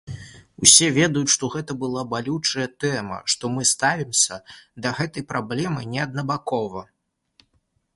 Усе ведаюць, што гэта балючая тэма, што мы ставімся да гэтай праблемы не аднабакова.